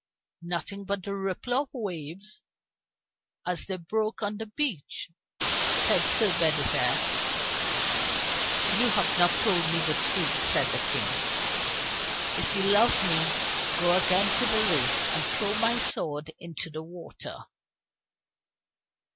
"Nothing but the ripple of the waves as they broke on the beach," said Sir Bedivere. "You have not told me the truth," said the King. "If you love me, go again to the lake, and throw my sword into the water."